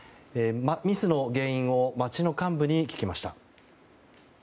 ミスの原因を町の幹部に聞きました。